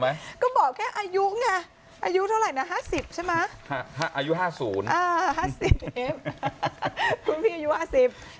ไหมก็บอกแค่อายุอายุเท่าไหร่นะ๕๐ใช่ไหมอายุ๕๐อายุ๕๐แต่